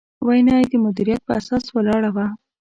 وینا یې د مدیریت په اساس ولاړه وه.